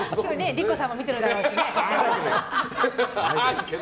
理子さんも見てらっしゃるだろうしね。